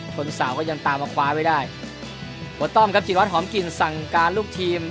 ชนสาวก็ยังตามมาคว้าไว้ได้หัวต้อมครับจิวัดหอมกลิ่นสั่งการลูกทีม